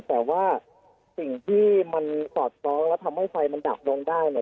แต่ว่าสิ่งที่มันสอดคล้องและทำให้ไฟมันดับลงได้เนี่ย